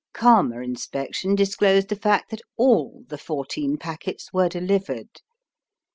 Calmer inspection disclosed the fact that all the fourteen packets were delivered.